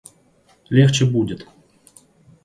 Легче будет.